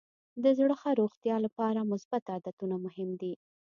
د زړه ښه روغتیا لپاره مثبت عادتونه مهم دي.